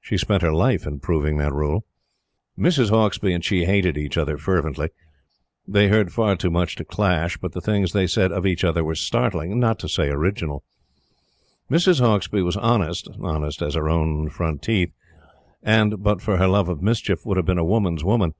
She spent her life in proving that rule. Mrs. Hauksbee and she hated each other fervently. They heard far too much to clash; but the things they said of each other were startling not to say original. Mrs. Hauksbee was honest honest as her own front teeth and, but for her love of mischief, would have been a woman's woman.